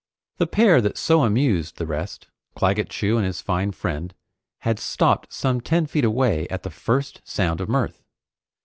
The pair that so amused the rest, Claggett Chew and his fine friend, had stopped some ten feet away at the first sound of mirth.